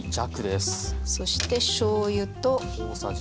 そしてしょうゆと。